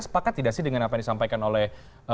sepakat tidak sih dengan apa yang disampaikan oleh